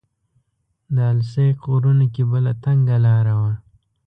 د السیق غرونو کې بله تنګه لاره وه.